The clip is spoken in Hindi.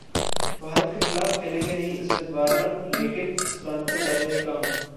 भारत के खिलाफ खेलेंगे नहीं स्मिथ-वॉर्नर, लेकिन इस प्लान पर कर रहे काम